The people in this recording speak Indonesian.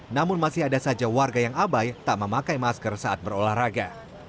namun masih ada saja warga yang abai tak memakai masker saat berolahraga